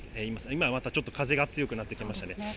今またちょっと風が強くなってきましたね。